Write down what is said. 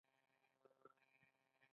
افراطي غږونه لوړ ښکاري.